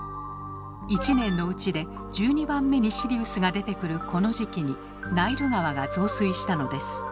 １年のうちで１２番目にシリウスが出てくるこの時期にナイル川が増水したのです。